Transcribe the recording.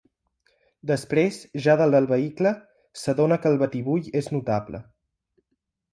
Després, ja dalt del vehicle, s'adona que el batibull és notable.